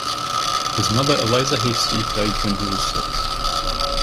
His mother Eliza Hastie died when he was six.